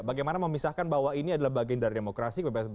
bagaimana memisahkan bahwa ini adalah bagian dari demokrasi kebebasan